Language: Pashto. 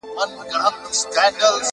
ته به مي لوټه د صحرا بولې ,